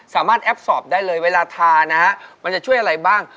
แอปสอบได้เลยเวลาทานะฮะมันจะช่วยอะไรบ้าง